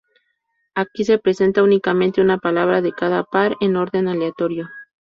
Aquí se presenta únicamente una palabra de cada par, en orden aleatorio.